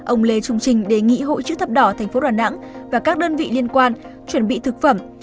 ông lê trung trinh đề nghị hội chữ thập đỏ tp đà nẵng và các đơn vị liên quan chuẩn bị thực phẩm